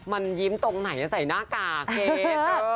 มันยิ้มตรงไหนใส่หน้ากากเคน